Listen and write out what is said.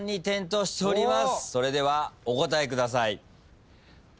それではお答えください。